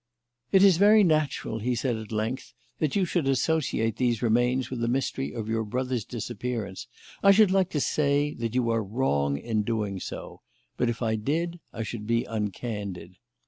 "It is very natural," he said at length, "that you should associate these remains with the mystery of your brother's disappearance. I should like to say that you are wrong in doing so, but if I did I should be uncandid.